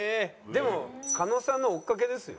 でも狩野さんの追っかけですよ？